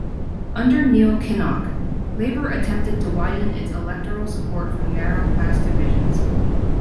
Under Neil Kinnock, Labour attempted to widen its electoral support from narrow class divisions.